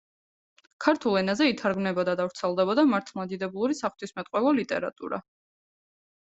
ქართულ ენაზე ითარგმნებოდა და ვრცელდებოდა მართლმადიდებლური საღვთისმეტყველო ლიტერატურა.